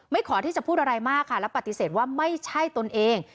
ขอที่จะพูดอะไรมากค่ะและปฏิเสธว่าไม่ใช่ตนเอง